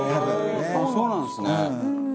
そうなんですね。